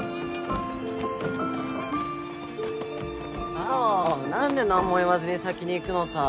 青何で何も言わずに先に行くのさ。